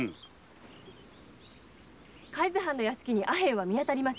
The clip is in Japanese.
海津藩の屋敷にアヘンは見当たりませぬ。